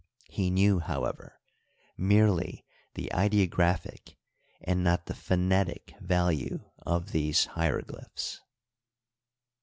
He knew, however, merely the ideographic and not the phonetic value of these hieroglyphs.